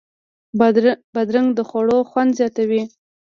بادرنګ د خوړو خوند زیاتوي.